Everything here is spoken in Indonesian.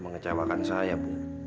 mengecewakan saya bu